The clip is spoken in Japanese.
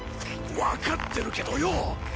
わかってるけどよ。